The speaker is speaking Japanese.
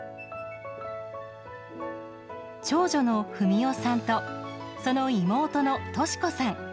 長女の二三代さんとその妹の敏子さん。